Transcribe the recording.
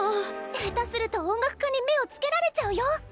へたすると音楽科に目をつけられちゃうよ